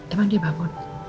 emang dia bangun